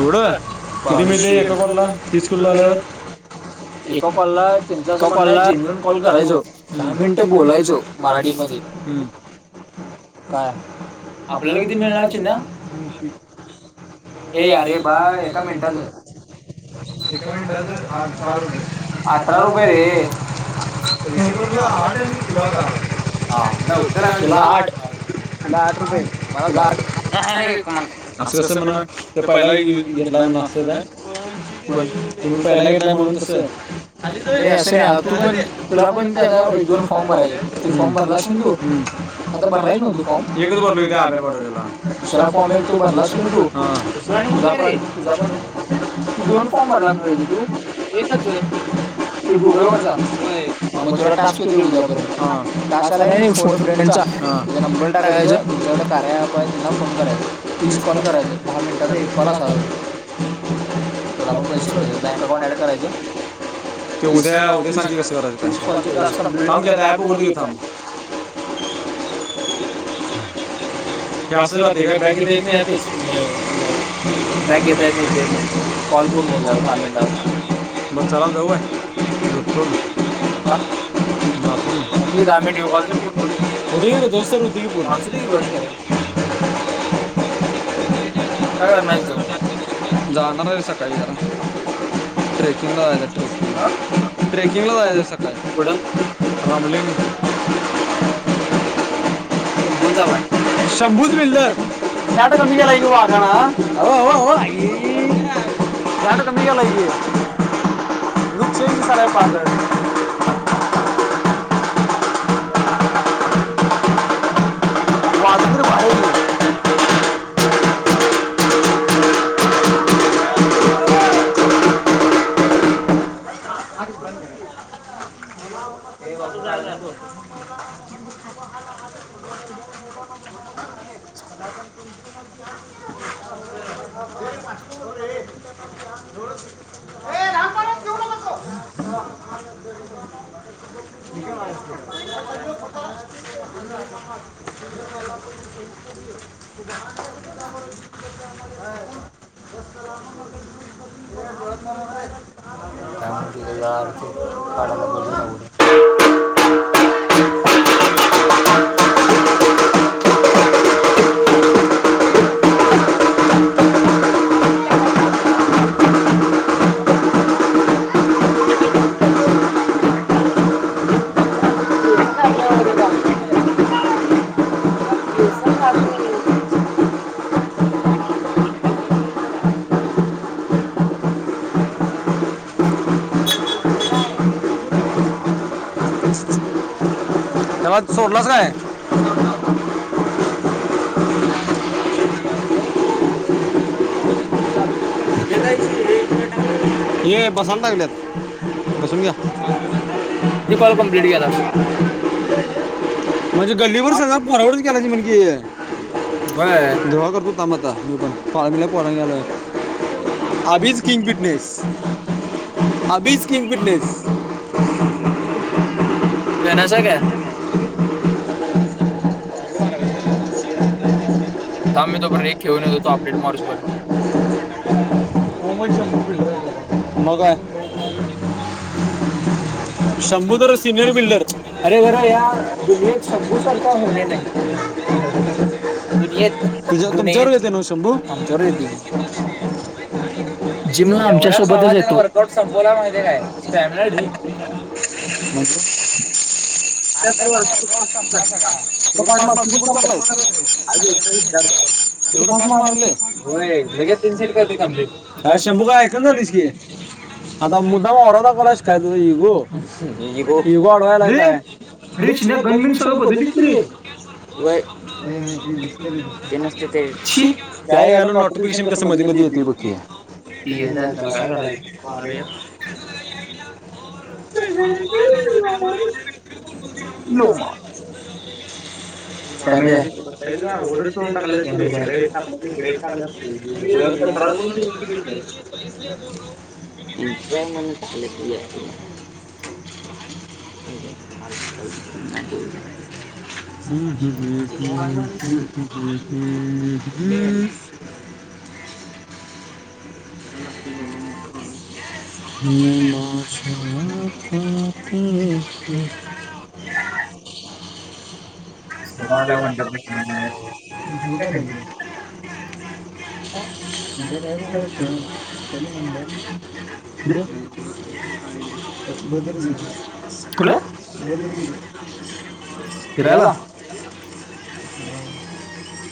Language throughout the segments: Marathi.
एवड किती मीळतय एका काॅल्ला तीस काॅल झाल्याबद्दल एका कॉलला त्यांच असं म्हणण जेन्युअन कॉल करायचो दहा मिनिटं बोलायचो मराठी मज हम्म ह काय आपल्याला किती मिळण्याचे ना ये यारे बा एका मिनटच ए मिनटच अठरा रुपये अठरा रुपये रे आठ आणि पुुलाा उ आ तुला आठ तुला आठ कसं म्हण पहिलाही घेतला पण तु पहिला घेत नाही म्हणून तस नाही असं नाही तू पण तुला पण ता एक दोन फॉर्म भराय फॉर्म भरलासे ना तू आता भरलाच नव्ह तो फॉर्म म भला त तुझा पण तुझा पण दन फॉर्म भरलाजे तू कसलं त गुगल वर जा उदय हा टास्क आला फोन अ ब्रेंडचा हा नंबर टाकायचं तच्याकं कार्याहि त्यांना फोन करायच तसकणंतर आहे पालट ते कला साध [inaudible] मग पैसे करायच बँक अकाउंट ऍड करायच ते उद्या सांग की कसं करायचं थांब की आता मी ॲप उघडतो आ हे असंच राहते का बॅक घेता येत नाही ेे कॉलप ब बर चला जाऊ काय का आम दहा मिनट येऊ कॉलचत मा काय करत आहेस जाणार आहे सकाळी ट्रेकिंग ला जायचंय सकाळी ट्रेकिंगला रामलिंग कोण कोण चाललाय शंभूच वेल्डर थाट कमी केलाय की भावांनो खात कमी केलाय की लुक चेंज दिसायलाय सगळा हा हा ब हो ह हम काम केले हा हा [unintelligible] [unintelligible] [unintelligible] तवाच सोडलास काय ए बसायला लागल्यात बसून घ्या [unintelligible] म्हणजे गल्लीवर सगळ फॉरवर्ड केलाय म्हण कि हे हय देवाळ करत काम आता फला पोर गेला अभिज किंग फिटनेस. अबीज किंग फिटनेस. बसलायसा काय? [unintelligible] थांब एक मिनिट मी अपडेट मारतो. मग काय. [unintelligible] शंभू तरर सिनियर बिल्डर अरेरे या शभू स तुमच्याबरोबर येतो ना शंभू होय आमच्याबरोबर येतेय. सगळा वर्कआउट संपवतोय स्टॅमिना ढिक [unintelligible] [unintelligible] [unintelligible] [unintelligible] अरेच ना गनबीन सगळ बदललीच क रे शी काय याला नोटिफिकेशन कस मध्ये मध्ये येतेय बग की. ती येतय त्याला काय करायच. [unintelligible] [unintelligible] [unintelligible] [unintelligible] [unintelligible] [inaudible] [unintelligible] [inaudible] [unintelligible] [inaudible] [unintelligible] [unintelligible] [unintelligible] कुठं फिरायला.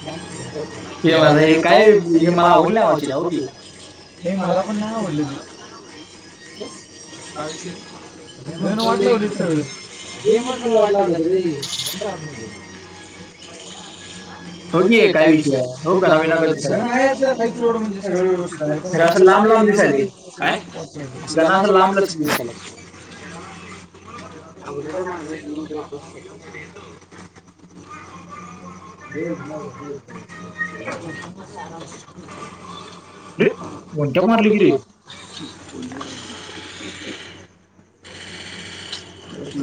[unintelligible] हे मला पण नाही आवडले त. वाट लावली सगळ्यांची. गेम सगळी वाट लावल्यात रे. होय की हे काय विषय हो ना विना का दियला असं लांब लांब दिसायली. का जण अस लांब लक्ष्मी. [unintelligible] [unintelligible] [unintelligible] [unintelligible]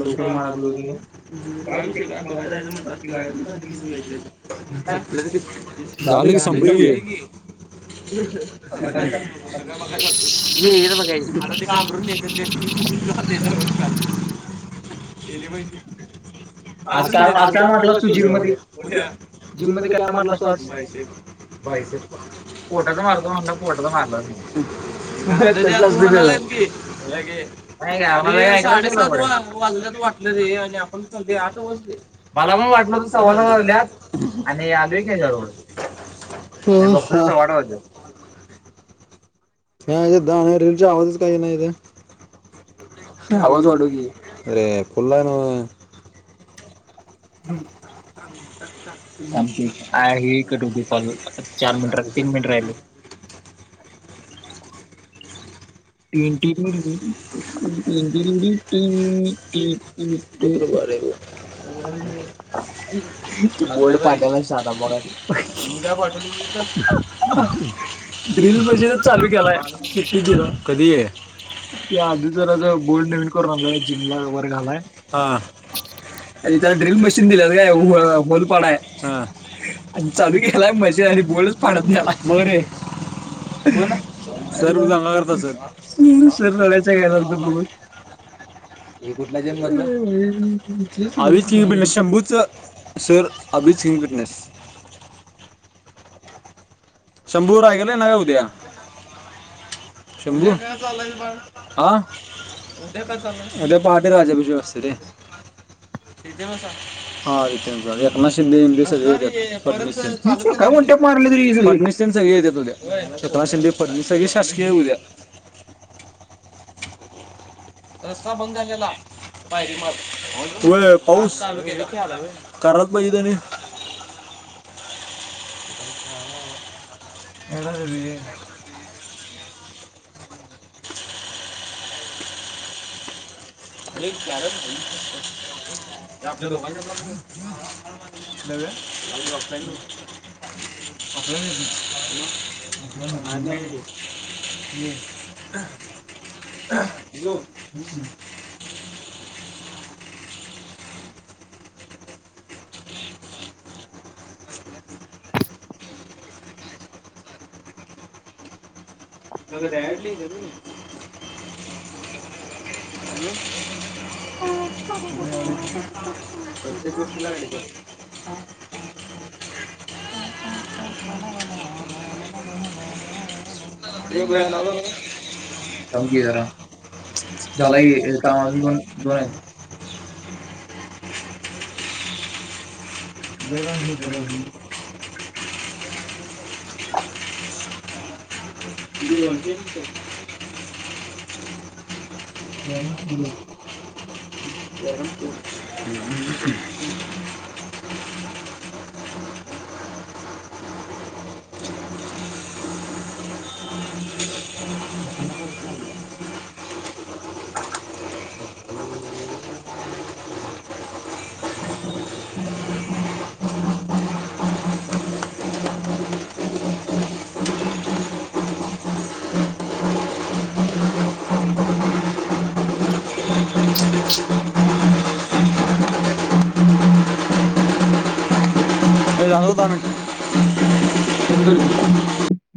ओके [unintelligible] बघाय जायचं म्हणतात. ती गायपच झाली की तू यायच्या अ आधी. [unintelligible] झालं की. संपलं की. घ ये इकडं बघायचं. आता ते कांबरुन देतात त्यासनी. त [unintelligible] आज काय मारला जिम मध्ये? उद्या. जिममध्ये. काय मारलास तू आज? Bicycle. पैसे पोटाच मारतो म्हणलास. पोटाच मारलास. [inaudible] म्हणालात कीे. साडेसात वा वाचल्यात बाळ. आपणच सांगतोय आठ वाजल्यात. मला पण वाटलं होतं सव्वानऊ वाजल्यात आणि आत सव्वा आठ वाजलेत. अरे गाण्याच्या रिलचा आवाज का येईना हित. आवाज वाढव की. अरे फुल्ल हाय नव्हं. ह [unintelligible] थांबकी [inaudible] चार मिनिटर आलोय. तीन मिनटर आलोय. पत्रभ [unintelligible] बळ पाडला शध बघ [unintelligible] ड्रीम बजे चालू केलाय. सुट्टी देईना. कधी आहे. ते आधीच्या हेला बोर्ड निट करून आनलाय. जिमला वगैरे [inaudible] त्याला ड्रिल मशीन दिल्यात काय होलपाडाय. आणि चालू केलाय मशीन. बोर्डच फाडत नाहीं आता. मग रे. सर दंगा करत असल. सर रडायच्या घाईला आलते बघून. ह [unintelligible] [unintelligible] विकनेस. आइईईण [unintelligible] शंभू रायगडला येणार काय उदया. शंभू आ. उद्या काय काम हाय. उद्या पहाटे राज्याभिषेक असतोय रे. किती वाजता? हा आदित्य एकनाथ शिंदे-बिंदे सगळी येत्यात. फडणीस तेन. फडणीस तेन सगळे येतात उद्या. एकनाथ शिंदे फडणवीस सगळे शासकीय उद्या. रस्ता बंद झालेला. वय पाऊस [inaudible] आइईईउऊऊछ [unintelligible] एवढ रली आहे. आरे कॅरम हे आपल्या दुकान [inaudible] ऑफलाईन-ऑफलाईन. म मझ नाही म [unintelligible] ग ब [unintelligible] बभमममययरर [unintelligible] म का डली कू [unintelligible] प्रत्येक गोष्टीला अडीत काढतात. देव भय्या आला बघ. थांब की जरा. झाला की ए थांब आजून दोन दोन हाईत. [unintelligible] [unintelligible] बणते. [unintelligible] [unintelligible] हम् जाह होता ना का ब